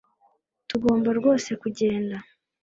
Tugomba rwose kugenda